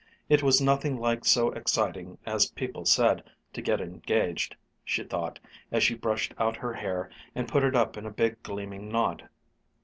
It was nothing like so exciting as people said, to get engaged, she thought as she brushed out her hair and put it up in a big, gleaming knot.